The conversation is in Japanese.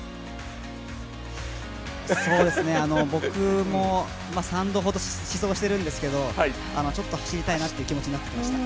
そうですね、僕も３度ほど試走してるんですけどちょっと走りたいなという気持ちになってきました。